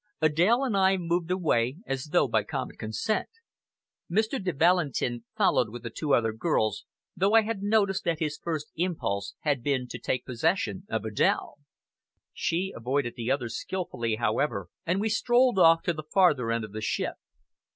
Adèle and I moved away as though by common consent. Mr. de Valentin followed with the two other girls, though I had noticed that his first impulse had been to take possession of Adèle. She avoided the others skilfully, however, and we strolled off to the farther end of the ship.